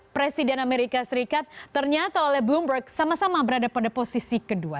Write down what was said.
presiden amerika serikat ternyata oleh bloomberg sama sama berada pada posisi kedua